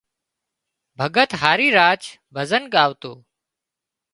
ڀڳت هاري راڇ ڀزن ڳاوتو